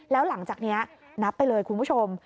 แล้วหลังจากนี้นับไปเลยคุณผู้ชม